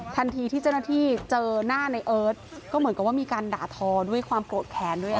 ทันทีที่เจ้าหน้าที่เจอหน้าในเอิร์ทก็เหมือนกับว่ามีการด่าทอด้วยความโกรธแขนด้วย